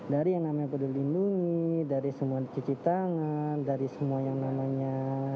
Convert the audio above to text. dari yang namanya peduli lindungi dari semua cuci tangan dari semua yang namanya